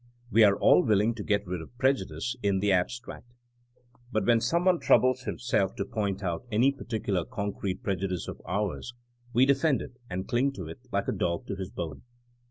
We are all willing to get rid of prejudice in THINEma AS A SCIENCE 115 the abstract. But when some one troubles him self to point out any particular concrete preju dice of ours we defend it and cling to it like a dog to his bone.